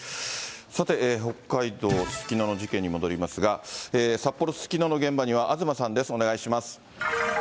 さて、北海道すすきのの事件に戻りますが、札幌・すすきのの現場には東さんです、お願いします。